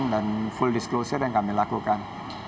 jadi kita harus memiliki penelitian penuh dan kami lakukan